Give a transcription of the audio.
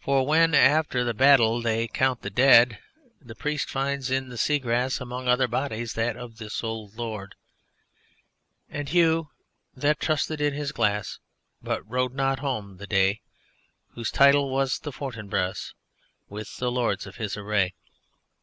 For when, after the battle, they count the dead, the Priest finds in the sea grass among other bodies that of this old Lord.... ... and Hugh that trusted in his glass, But rode not home the day; Whose title was the Fortinbras With the Lords of his Array.